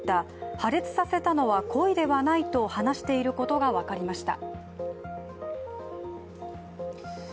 破裂されたのは故意ではないと話していることが分かりました。